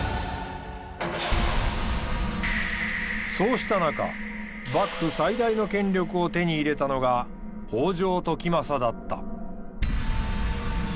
そうした中幕府最大の権力を手に入れたのが北条時政だった。